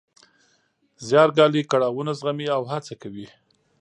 زیار ګالي، کړاوونه زغمي او هڅه کوي.